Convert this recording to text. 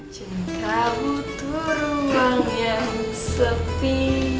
jika butuh ruang yang sepi